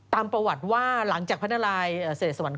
ตามประวัติว่าหลังจากพระนารายเสดสวรรค